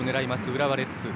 浦和レッズ。